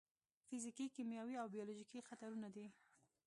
فزیکي، کیمیاوي او بیولوژیکي خطرونه دي.